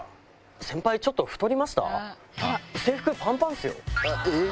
先輩、ちょっと太りました？え？